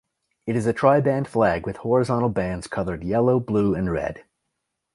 It is a triband flag with horizontal bands colored yellow, blue and red.